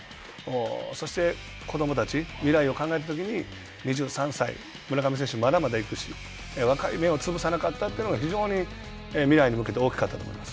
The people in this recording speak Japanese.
そして子どもたち未来を考えたときに、２３歳、村上選手、まだまだ行くし、若い芽を潰さなかったというのが、非常に未来に向けて大きかったと思います。